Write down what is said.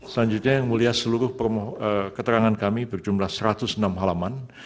selanjutnya yang mulia seluruh keterangan kami berjumlah satu ratus enam halaman